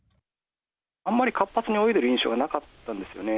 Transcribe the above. あんまり活発に泳いでる印象がなかったんですよね。